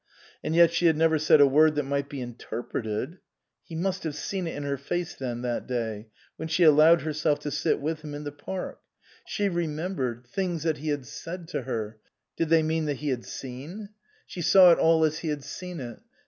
And yet she had never said a word that might be interpreted He must have seen it in her face, then, that day when she allowed herself to sit with him in the park. She remembered T.S.Q. 305 x SUPERSEDED things that he had said to her did they mean that he had seen ? She saw it all as he had seen it.